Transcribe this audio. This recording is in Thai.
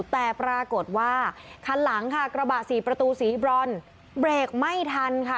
แต่ปรากฏว่าคันหลังค่ะกระบะสี่ประตูสีบรอนเบรกไม่ทันค่ะ